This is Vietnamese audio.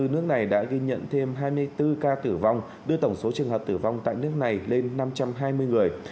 nước này đã ghi nhận thêm hai mươi bốn ca tử vong đưa tổng số trường hợp tử vong tại nước này lên năm trăm hai mươi người